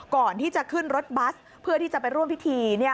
ก่อนที่จะขึ้นรถบัสเพื่อที่จะไปร่วมพิธี